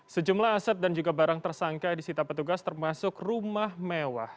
sejumlah aset dan juga barang tersangka disita petugas termasuk rumah mewah